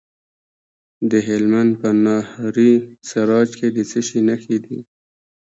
د هلمند په ناهري سراج کې د څه شي نښې دي؟